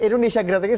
indonesia great again